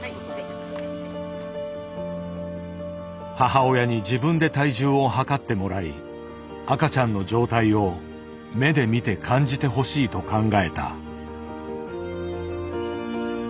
母親に自分で体重をはかってもらい赤ちゃんの状態を目で見て感じてほしいと考えた。